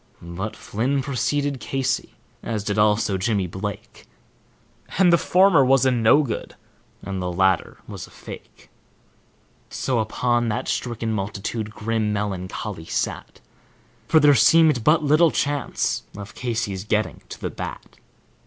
But Flynn procede Casey, as did also Jimmy Blake, And the former was a no good and the latter was a fake; So, upon that stricken multitude grim meloncholy sat, For there seemed but little chance of Casey's getting to the bat.